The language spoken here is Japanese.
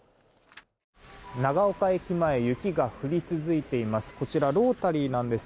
長岡駅前雪が降り続いています。